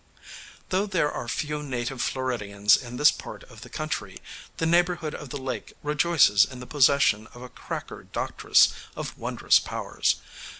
Though there are few native Floridians in this part of the country, the neighborhood of the lake rejoices in the possession of a Cracker doctress of wondrous powers.